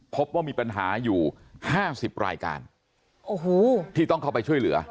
พบว่ามีปัญหาอยู่๕๐รายการที่ต้องเข้าไปช่วยเหลือ